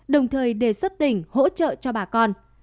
đồng thời đề xuất tỉnh hỗ trợ cho bà con